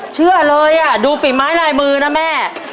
เชื่อเลยดูฝีไม้ลายมือนะแม่